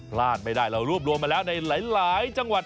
พลาดไม่ได้เรารวบรวมมาแล้วในหลายจังหวัด